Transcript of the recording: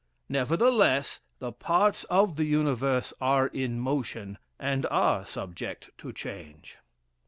Nevertheless, the parts of the universe are in motion, and are subject to change.